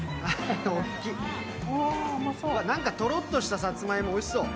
とろっとしたさつまいも、おいしそう。